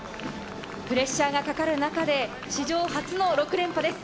プレッシャーがかかる中で史上初の６連覇です。